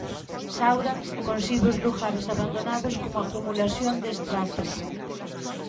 Saura concibe os lugares abandonados como acumulacións de estratos.